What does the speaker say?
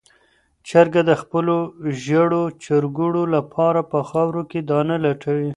چرګه د خپلو ژېړو چرګوړو لپاره په خاوره کې دانه لټوي.